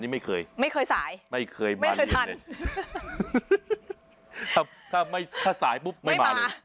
ไม่เคยสายไม่เคยถัน